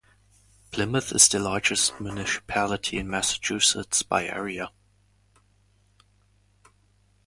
Plymouth is the largest municipality in Massachusetts by area.